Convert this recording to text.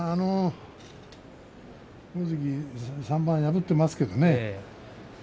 大関３番破っていますけれどもね